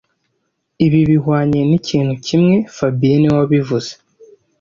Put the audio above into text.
Ibi bihwanye nikintu kimwe fabien niwe wabivuze